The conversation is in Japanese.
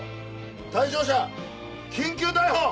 対象者緊急逮捕！